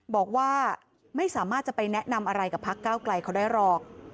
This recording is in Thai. บอกว่าไม่สามารถจะไปแนะนำอะไรกับพักเก้าไกลเขาได้หรอก